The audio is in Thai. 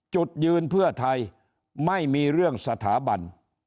จุดยืนเพื่อไทยไม่มีเรื่องสถาบัน